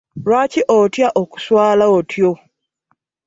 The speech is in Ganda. Lwaki otya okuswala otyo?